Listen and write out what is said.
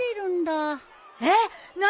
えっ！何？